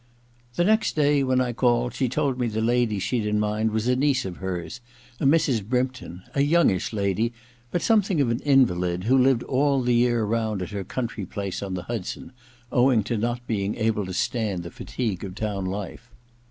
The next day, when I called, she told me the lady she'd in mind was a niece of hers, a Mrs. Brympton, a youngish lady, but something of an invalid, who lived all the year round at lai 122 THE LADY'S MAID'S BELL i her country place on the Hudson, owing to not being able to stand the fatigue of town life.